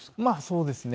そうですね。